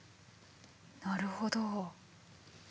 なるほど。